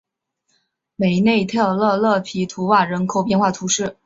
梅内特勒勒皮图瓦人口变化图示